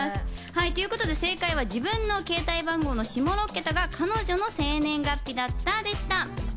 ということで正解は携帯番号の下６桁が彼女の生年月日だった、でした。